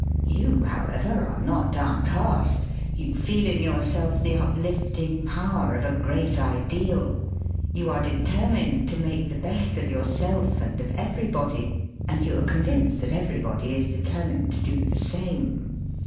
) You, however, are not down cast. You feel in yourself tlie uplifting power of a great ideal. You are determined to make the best of yourself and of everybody. And you are convinced that everybody is determined to do the same.